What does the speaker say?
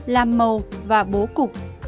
là màu và bố cục